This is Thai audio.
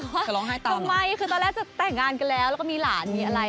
จะร้องไห้ตามทำไมคือตอนแรกจะแต่งงานกันแล้วแล้วก็มีหลานมีอะไร